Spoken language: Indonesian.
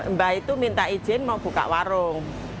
mbak itu minta izin mau buka warung